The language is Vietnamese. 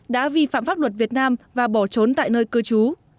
đã vi phạm pháp luật việt nam và bỏ trốn tại nơi cư trú